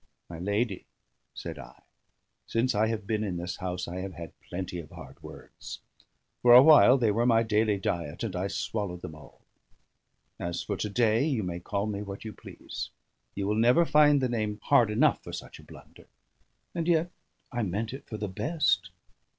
"My lady," said I, "since I have been in this house I have had plenty of hard words. For a while they were my daily diet, and I swallowed them all. As for to day, you may call me what you please; you will never find the name hard enough for such a blunder. And yet I meant it for the best."